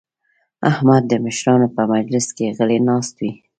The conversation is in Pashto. احمد د مشرانو په مجلس کې غلی ناست وي.